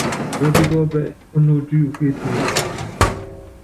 Wɛ́pí kɔ́ɔ́pú ɛ́ɛ: Ónuóló túyuukɔ ké etúlú.